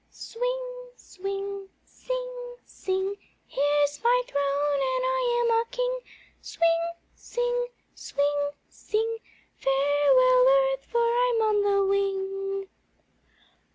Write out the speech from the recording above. SWING, swing, Sing, sing, Here's my throne, and I am a King! Swing, sing, Swing, sing, Farewell earth, for I'm on the wing!